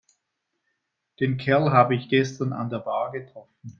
Den Kerl habe ich gestern an der Bar getroffen.